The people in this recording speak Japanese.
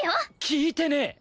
聞いてねえ！